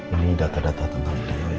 ini data data tentang beliau ya